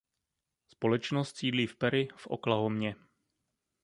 Společnost sídlí v Perry v Oklahomě.